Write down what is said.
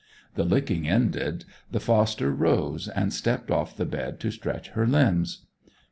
The licking ended, the foster rose, and stepped off the bed to stretch her limbs.